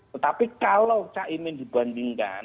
tetapi kalau caimin dibandingkan